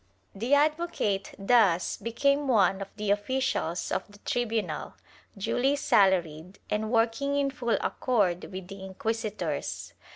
* The advocate thus became one of the officials of the tribunal, duly salaried and working in full accord with the inquisitors.